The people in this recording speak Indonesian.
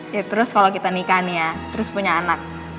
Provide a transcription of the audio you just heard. ya terus kalau kita nikah nih ya terus punya anak